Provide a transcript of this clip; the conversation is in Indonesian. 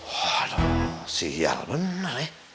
waduh sial bener ya